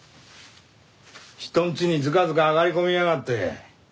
人んちにずかずか上がり込みやがって。